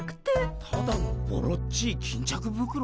ただのボロっちい巾着袋？